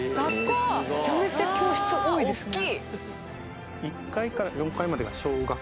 めちゃめちゃ教室多いですね。